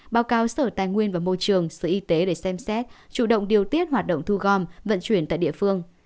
báo cáo sở tài nguyên và môi trường sở y tế để xem xét chủ động điều tiết hoạt động thu gom vận chuyển tại địa phương